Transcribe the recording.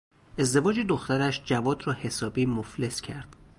ازدواج دخترش جواد را حسابی مفلس کرد.